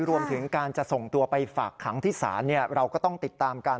รวมถึงการจะส่งตัวไปฝากขังที่ศาลเราก็ต้องติดตามกัน